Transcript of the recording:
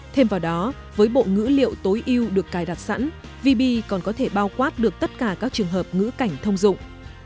thêm vào đó với bộ ngữ liệu tối ưu được cài đặt sẵn vb còn có thể bao quát được tất cả các trường hợp ngữ cảnh thông dụng